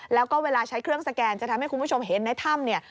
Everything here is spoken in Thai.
แล้วก็เวลาใช้เครื่องสแกนจะทำให้คุณผู้ชมเห็นในถ้ำเนี่ย